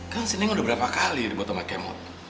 kan si neng udah berapa kali dibuat sama kemot